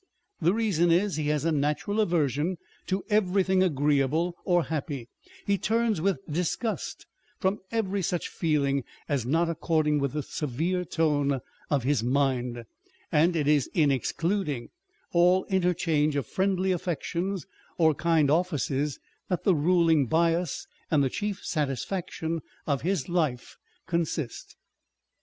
The reason is, he has a natural aversion to everything agreeable or happy â€" he turns with disgust from every such feeling, as not according with the severe tone of his mind â€" and it is in excluding all inter change of friendly affections or kind offices that the ruling bias and the chief satisfaction of his life consist.